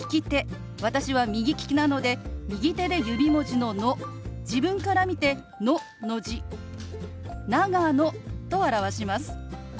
私は右利きなので右手で指文字の「ノ」自分から見て「ノ」の字「長野」と表します。